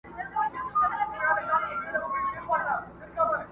خدایه څه کانه را وسوه، دا د چا آزار مي واخیست؛